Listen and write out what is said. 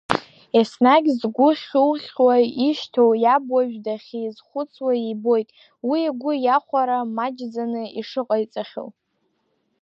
Еснагь згәы хьу-хьууа ишьҭоу иаб уажә дахьизхәыцуа, ибоит уи игәы иахәара маҷӡаны ишыҟаиҵахьоу.